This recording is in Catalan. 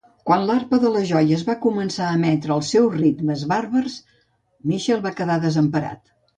Quan l'arpa de les joies va començar a emetre els seus ritmes bàrbars, Michael va quedar desemparat.